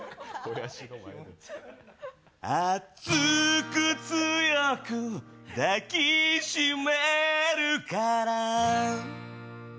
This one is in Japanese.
熱く、強く、抱きしめるから